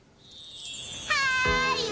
はい！